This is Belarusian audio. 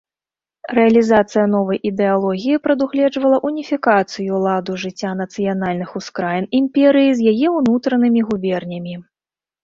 Рэалізацыя новай ідэалогіі прадугледжвала уніфікацыю ладу жыцця нацыянальных ускраін імперыі з яе ўнутранымі губернямі.